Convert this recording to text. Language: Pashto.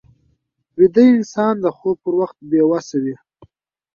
ویده انسان د خوب پر وخت بې وسه وي